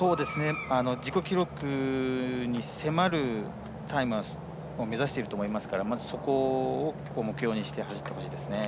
自己記録に迫るタイムを目指していると思いますからまずそこを目標にして走ってほしいです。